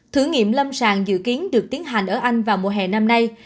thử nghiệm lâm sàng dự kiến được tiến hành ở anh vào mùa hè năm nay